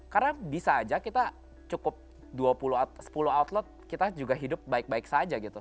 karena bisa aja kita cukup sepuluh outlet kita juga hidup baik baik saja gitu